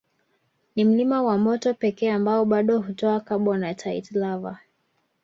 Ni mlima wa moto pekee ambao bado hutoa carbonatite lava